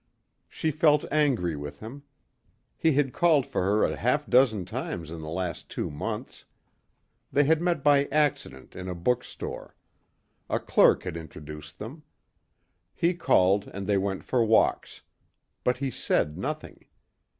She felt angry with him. He had called for her a half dozen times in the last two months. They had met by accident in a book store. A clerk had introduced them. He called and they went for walks. But he said nothing.